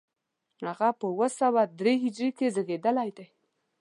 هغه په اوه سوه درې هجري کې زېږېدلی دی.